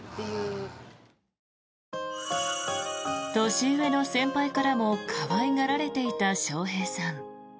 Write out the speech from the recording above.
年上の先輩からも可愛がられていた笑瓶さん。